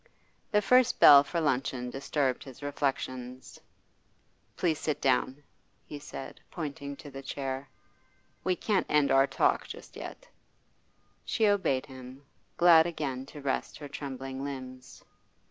The first bell for luncheon disturbed his reflections. 'Please sit down,' he said, pointing to the chair. 'We can't end our talk just yet.' She obeyed him, glad again to rest her trembling limbs.